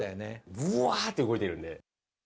ぶわーって動いてるんで。